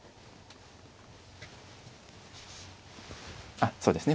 あっそうですね